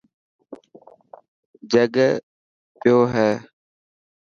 جڳ پيو هي.